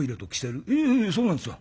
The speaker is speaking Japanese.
「ええええそうなんですよ。